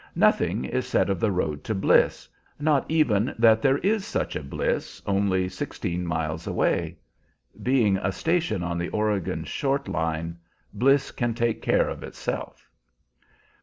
Nothing is said of the road to Bliss, not even that there is such a Bliss only sixteen miles away. Being a station on the Oregon Short Line, Bliss can take care of itself.